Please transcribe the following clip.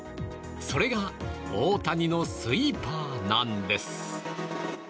それが大谷のスイーパーなんです。